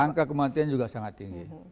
angka kematian juga sangat tinggi